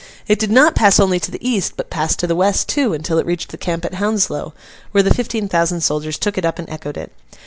It did not pass only to the east, but passed to the west too, until it reached the camp at Hounslow, where the fifteen thousand soldiers took it up and echoed it.